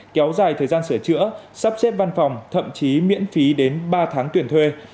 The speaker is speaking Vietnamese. kéo dài thời gian sửa chữa sắp xếp văn phòng thậm chí miễn phí đến ba tháng tuyển thuê